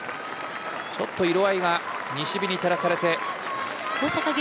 ちょっと色合いが西日に照らされて。